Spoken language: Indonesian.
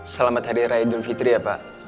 selamat hari raya idul fitri ya pak